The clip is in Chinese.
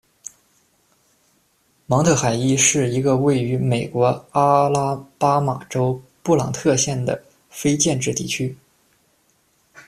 芒特海伊是一个位于美国阿拉巴马州布朗特县的非建制地区。